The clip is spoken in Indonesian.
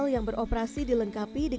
ya budget mania mungkin